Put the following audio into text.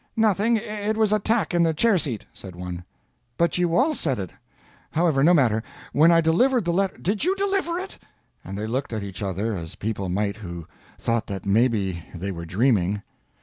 Nothing it was a tack in the chair seat," said one. "But you all said it. However, no matter. When I delivered the letter " "Did you deliver it?" And they looked at each other as people might who thought that maybe they were dreaming.